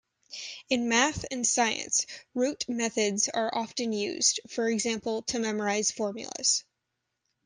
In math and science, rote methods are often used, for example to memorize formulas.